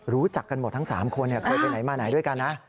รู้จักกันหมดทั้ง๓คนเคยไปไหนมาไหนด้วยกันนะ